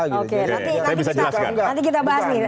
nanti kita bahas